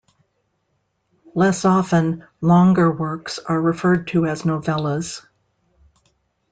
Less often, longer works are referred to as novellas.